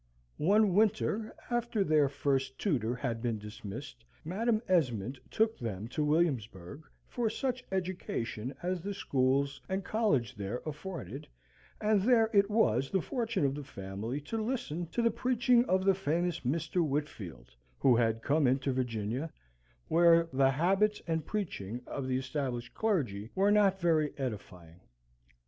One winter, after their first tutor had been dismissed, Madam Esmond took them to Williamsburg, for such education as the schools and college there afforded, and there it was the fortune of the family to listen to the preaching of the famous Mr. Whitfield, who had come into Virginia, where the habits and preaching of the established clergy were not very edifying.